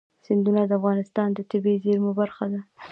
سیندونه د افغانستان د طبیعي زیرمو برخه ده.